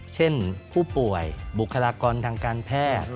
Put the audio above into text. เช่นผู้ป่วยบุคลากรทางการแพทย์